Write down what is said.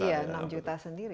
ya enam juta sendiri